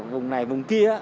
vùng này vùng kia